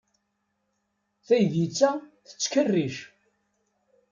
Taydit-a tettkerric.